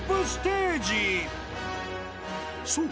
［そう！